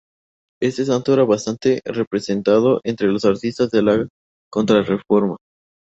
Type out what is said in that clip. Este santo era bastante representado entre los artistas de la Contrarreforma.